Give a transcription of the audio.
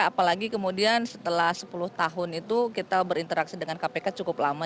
apalagi kemudian setelah sepuluh tahun itu kita berinteraksi dengan kpk cukup lama